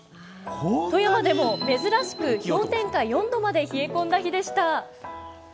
富山でも珍しく氷点下４度まで冷え込んだ日でした。